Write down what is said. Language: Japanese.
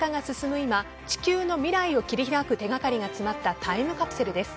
今地球の未来を切り開く手がかりが詰まったタイムカプセルです。